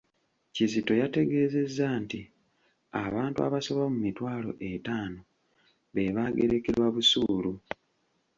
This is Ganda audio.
Kizito yategeezezza nti abantu abasoba mu mitwalo etaano be baagerekerwa busuulu.